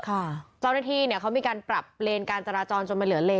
ตอนนี้ที่เขามีการปรับเลนการจรจรจนมันเหลือเลน